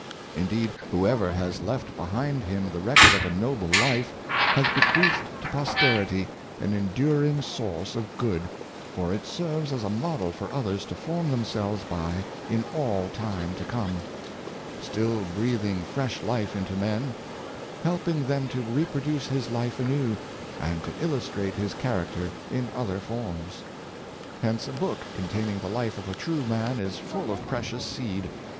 Indeed, whoever has left behind him the record of a noble life, has bequeathed to posterity an enduring source of good, for it serves as a model for others to form themselves by in all time to come; still breathing fresh life into men, helping them to reproduce his life anew, and to illustrate his character in other forms. Hence a book containing the life of a true man is full of precious seed.